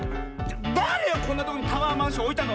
だれよこんなとこにタワーマンションおいたの！